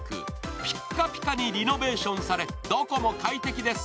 ピッカピカにリノベーションされどこも快適です。